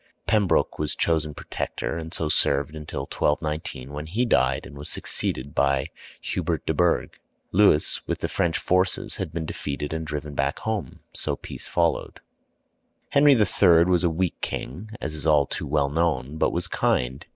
Pembroke was chosen protector, and so served till 1219, when he died, and was succeeded by Hubert de Burgh. Louis, with the French forces, had been defeated and driven back home, so peace followed. Henry III. was a weak king, as is too well known, but was kind.